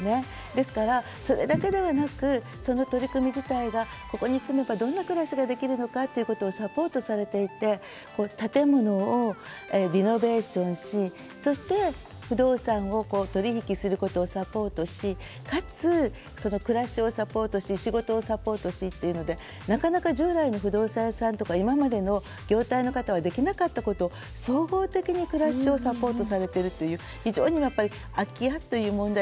ですからそれだけではなくその取り組み自体がここに住めばどんな暮らしができるのかということをサポートされていて建物をリノベーションしそして不動産を取り引きすることをサポートしかつその暮らしをサポートし仕事をサポートしというのでなかなか従来の不動産屋さんとか今までの業態の方はできなかったことを総合的に暮らしをサポートされているという非常に空き家という問題